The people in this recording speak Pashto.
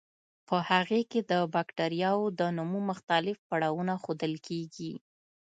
په هغې کې د بکټریاوو د نمو مختلف پړاوونه ښودل کیږي.